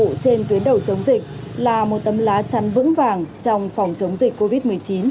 đẩu chống dịch là một tấm lá chăn vững vàng trong phòng chống dịch covid một mươi chín